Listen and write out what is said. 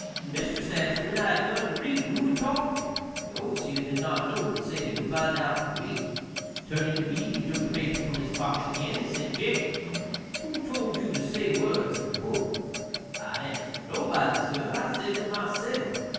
Mistress asked when I had learned to read and who had taught me. The overseer did not know, but said he would find out from me. Turning to me he took the paper from his pocket again, and said, "Jacob, who told you to say words in the book?" I answered, "Nobody, sir; I said them myself."